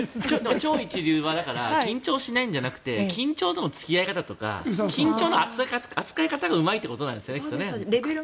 超一流は緊張しないんじゃなくて緊張との付き合い方とか緊張の扱い方がうまいということなんですよね。